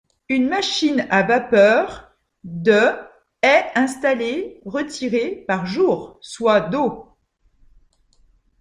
Une machine à vapeur de est installée retirer par jour, soit d'eau.